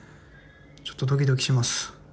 ちょっとドキドキします。